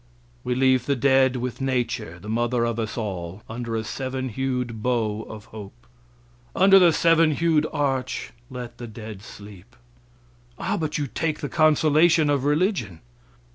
We leave the dead with nature, the mother of us all, under a seven hued bow of hope. Under the seven hued arch let the dead sleep. "Ah, but you take the consolation of religion."